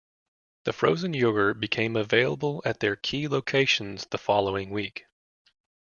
The frozen yogurt became available at their key locations the following week.